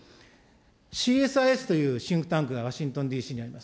ＣＳＩＳというシンクタンクがワシントンＤＣにあります。